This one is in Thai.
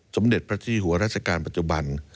สมเด็จพระที่หัวราชการปัจจุบัน